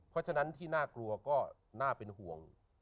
เพราะฉะนั้นที่น่ากลัวก็น่าเป็นห่วง